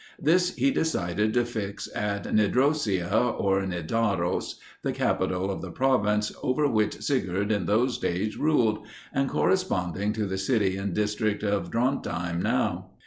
This he decided to fix at Nidrosia, or Nidaros, the capital of the province, over which Sigurd in those days ruled, and corresponding to the city and district of Drontheim now.